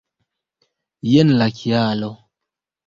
Jen la kialo.